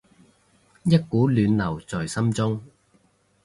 一股暖流在心中